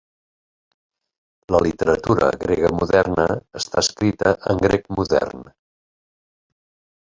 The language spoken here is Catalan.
La literatura grega moderna està escrita en grec modern.